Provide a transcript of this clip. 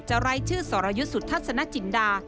จะไร้ชื่อสรยุทธสนจินดา